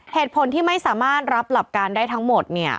เหตุผลที่ไม่สามารถรับหลักการได้ทั้งหมด